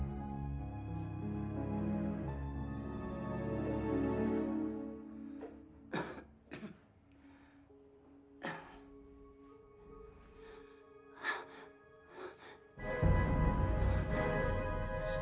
rumah ini udah jadi milik aku